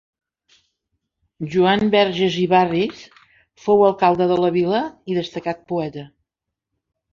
Joan Verges i Barris fou alcalde de la vila i destacat poeta.